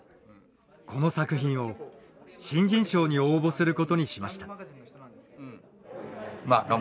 この作品を新人賞に応募することにしました。